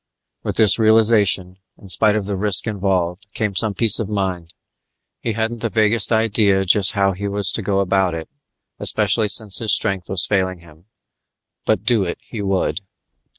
With this realization, in spite of the risk involved, came some peace of mind. He hadn't the vaguest idea just how he was to go about it, especially since his strength was failing him, but do it he would.